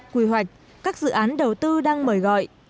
quy hoạch các dự án đầu tư đang mời gọi